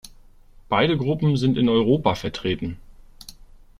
Beide Gruppen sind in Europa vertreten.